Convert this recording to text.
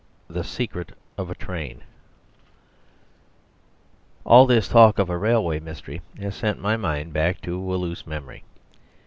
The Secret of a Train All this talk of a railway mystery has sent my mind back to a loose memory.